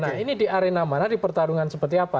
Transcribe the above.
nah ini di arena mana di pertarungan seperti apa